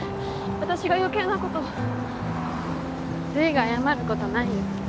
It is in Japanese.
私が余計なこと留依が謝ることないよ